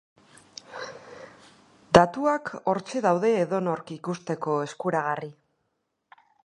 Datuak hortxe daude edonork ikusteko eskuragarri.